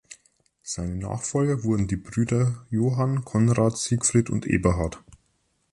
Seine Nachfolger wurden die Brüder Johann, Conrad, Siegfried und Eberhard.